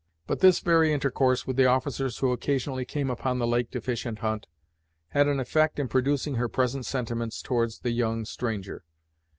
But this very intercourse with the officers who occasionally came upon the lake to fish and hunt, had an effect in producing her present sentiments towards the young stranger.